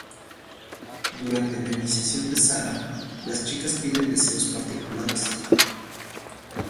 Durante la iniciación de Sarah, las chicas piden deseos particulares.